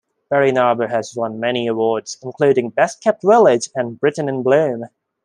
Berrynarbor has won many awards including Best Kept Village and Britain in Bloom.